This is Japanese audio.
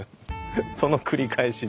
その繰り返しで。